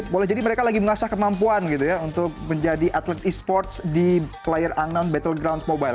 boleh jadi mereka lagi mengasah kemampuan gitu ya untuk menjadi atlet esports di player unknown battleground mobile